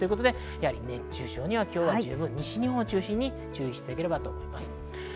熱中症には西日本を中心に注意していただければと思います。